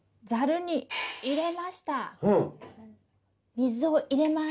水を入れます。